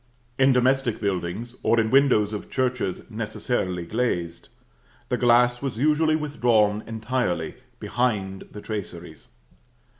In domestic buildings, or in windows of churches necessarily glazed, the glass was usually withdrawn entirely behind the traceries.